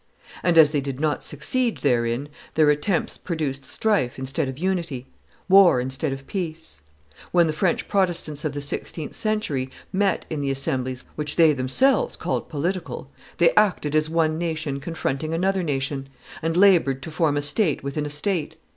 And as they did not succeed therein, their attempts produced strife instead of unity, war instead of peace. When the French Protestants of the sixteenth century met in the assemblies which they themselves called political, they acted as one nation confronting another nation, and labored to form a state within state.